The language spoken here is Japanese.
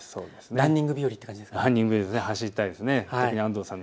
ランニング日和って感じですかね。